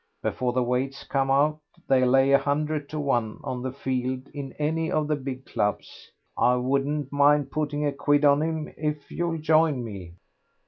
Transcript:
Before the weights come out they'll lay a hundred to one on the field in any of the big clubs. I wouldn't mind putting a quid on him if you'll join me."